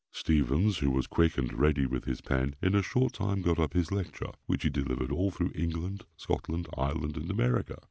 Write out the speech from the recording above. Stephens, who was quick and ready with his pen, in a short time got up his lecture, which he delivered all through England, Scotland, Ireland, and America.